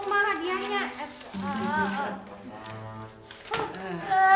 marah dia nya